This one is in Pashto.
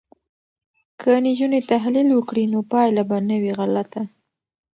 که نجونې تحلیل وکړي نو پایله به نه وي غلطه.